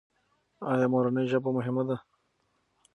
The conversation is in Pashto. ایا مورنۍ ژبه مهمه ده؟